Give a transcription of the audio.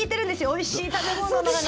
おいしい食べ物の話は。